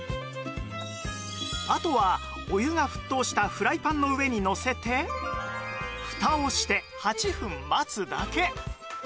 あとはお湯が沸騰したフライパンの上にのせてフタをして８分待つだけ